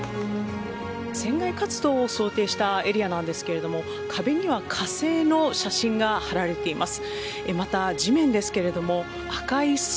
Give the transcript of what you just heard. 船外活動を想定したエリアなんですが壁には火星の写真が張られています。